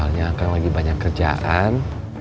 soalnya kan lagi banyak kerjaan